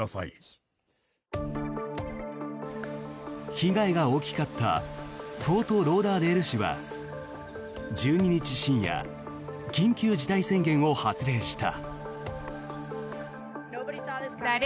被害が大きかったフォートローダーデール市は１２日深夜、緊急事態宣言を発令した。